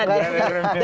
nggak ada ribet